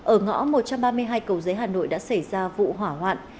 ở ngõ một trăm ba mươi hai cầu giấy hà nội đã xảy ra vụ hỏa hoạn